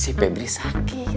si pebri sakit